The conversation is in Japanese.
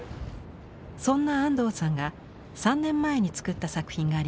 そんな安藤さんが３年前につくった作品があります。